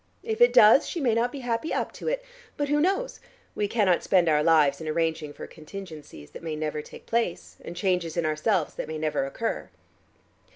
If it does, she may not be happy up to it. But who knows? We cannot spend our lives in arranging for contingencies that may never take place, and changes in ourselves that may never occur."